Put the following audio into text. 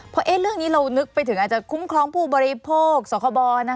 เพราะเรื่องนี้เรานึกไปถึงอาจจะคุ้มครองผู้บริโภคสคบ